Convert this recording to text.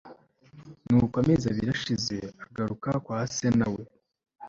nuko amezi abiri ashize agaruka kwa se na we